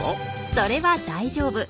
それは大丈夫。